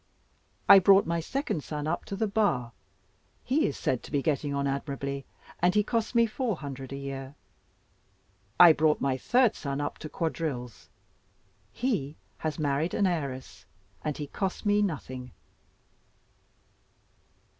I brought my second son up to the Bar; he is said to be getting on admirably, and he costs me four hundred a year. I brought my third son up to Quadrilles he has married an heiress, and he costs me nothing."